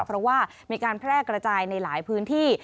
เพราะว่ามีการแพร่กระจายในหลายพื้นที่